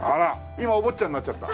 今お坊ちゃんになっちゃった？